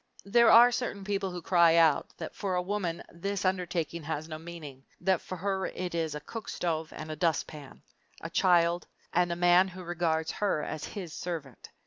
There are certain people who cry out that for a woman this undertaking has no meaning that for her it is a cook stove and a dustpan, a childbed, and a man who regards her as his servant.